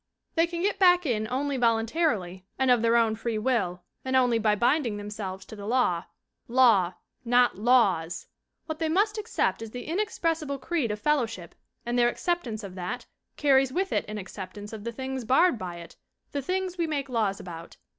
They can get back in only voluntarily and of their own free will, and only by binding themselves to the law. Law, not laws. What they must accept is the inexpressible creed of fellowship and their acceptance of that carries with it an acceptance* of the things barred by it, the things we make laws about.